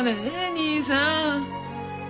兄さん。